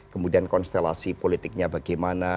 kemudian konstelasi politiknya bagaimana